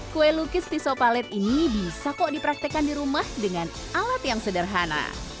kue lukis pisau palet ini bisa kok dipraktekan di rumah dengan alat yang sederhana